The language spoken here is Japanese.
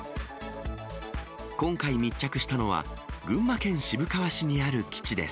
今回密着したのは、群馬県渋川市にある基地です。